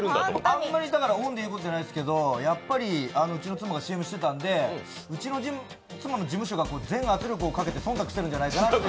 あんまりオンで言うことじゃないんですけどやっぱりうちの妻がＣＭしてたんでうちの妻の事務所が全圧力をかけてそんたくしてるんじゃないかなって。